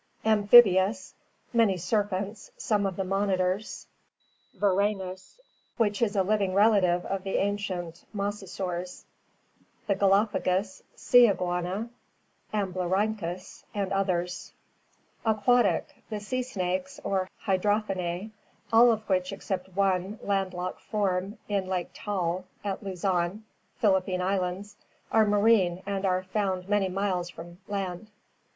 Amphibious: many serpents, some of the monitors, V or anus which is a living relative of the ancient mosasaurs, the Gala pagos sea iguana Amblyrhynchus (see Fig. 60), and others. Aquatic: the sea snakes or Hydrophinae, all of which except one land locked form in Lake Taal at Luzon, Philippine Islands, are marine and are found many miles from land.